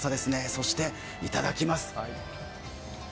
そして、いただきます。